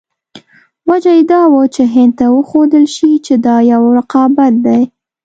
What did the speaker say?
وجه یې دا وه چې هند ته وښودل شي چې دا یو رقابت دی.